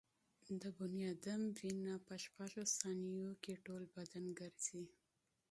د انسان وینه په شپږو ثانیو کې ټول بدن ګرځي.